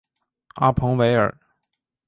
阿彭维尔。